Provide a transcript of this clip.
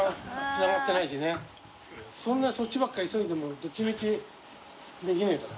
そんなそっちばっかり急いでもどっちみちできないから。